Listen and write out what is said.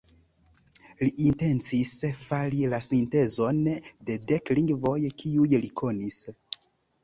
Li intencis fari la sintezon de dek lingvoj kiuj li konis.